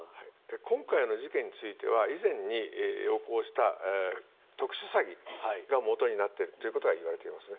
今回の事件については以前に横行した特殊詐欺がもとになっているということが言われていますね。